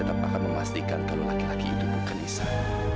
tetap akan memastikan kalau laki laki itu bukan lisan